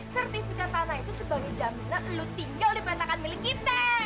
sertifikat tanah itu sebagai jaminan lo tinggal di pantang antara milik kita